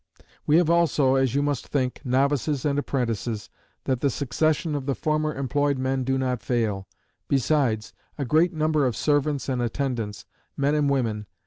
"We have also, as you must think, novices and apprentices, that the succession of the former employed men do not fail; besides, a great number of servants and attendants, men and women.